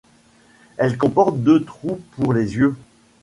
Elle comporte deux trous pour les yeux.